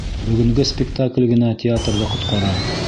Бөгөнгө спектакль генә театрҙы ҡотҡара!